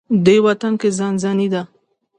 دې وطن کې ځان ځاني ده.